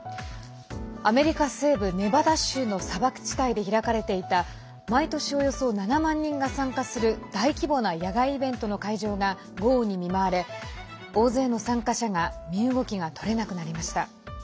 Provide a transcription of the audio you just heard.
アメリカ西部ネバダ州の砂漠地帯で開かれていた毎年およそ７万人が参加する大規模な野外イベントの会場が豪雨に見舞われ、大勢の参加者が身動きが取れなくなりました。